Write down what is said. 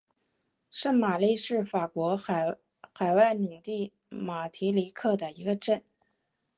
圣玛丽是法国海外领地马提尼克的一个镇。